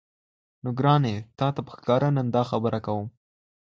نو ګراني! تاته په ښكاره نن داخبره كوم